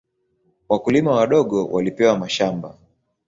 Wakulima wadogo walipewa mashamba.